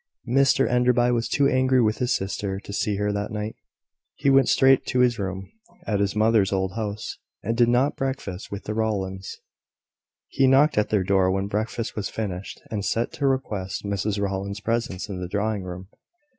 Mr Enderby was too angry with his sister to see her that night. He went straight to his room, at his mother's old house, and did not breakfast with the Rowlands. He knocked at their door when breakfast was finished, and sent to request Mrs Rowland's presence in the drawing room.